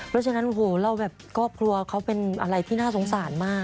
เพราะฉะนั้นโหเราแบบครอบครัวเขาเป็นอะไรที่น่าสงสารมาก